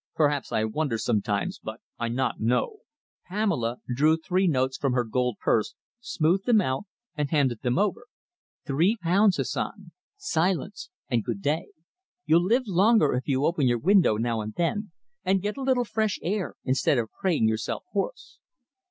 Perhaps I wonder sometimes, but I not know." Pamela drew three notes from her gold purse, smoothed them out and handed them over. "Three pounds, Hassan, silence, and good day! You'll live longer if you open your windows now and then, and get a little fresh air, instead of praying yourself hoarse."